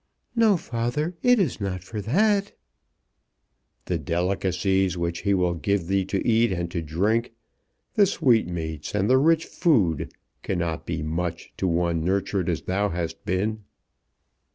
"No, father; it is not for that." "The delicacies which he will give thee to eat and to drink; the sweetmeats and rich food cannot be much to one nurtured as thou hast been."